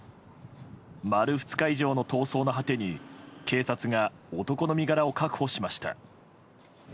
丸２日以上の逃走の果てに警察が男の身柄を確保しました。